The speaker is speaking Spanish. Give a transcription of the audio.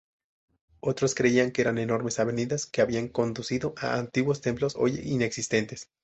Otros creían que eran enormes avenidas que habían conducido a antiguos templos hoy inexistentes.